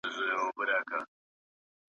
تاریخي او مفهومي برخې څنګه د تحلیل موضوع ګرځي؟